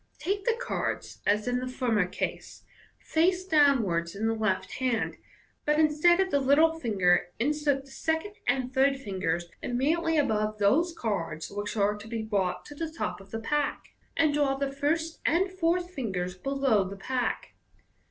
Take the cards, as in the former case, face downwards in the left hand, but instead of the little finger, insert the second and third fingers immediately above those cards which are to be brought to the top of the pack, and draw the first and fourth fingers below the pack.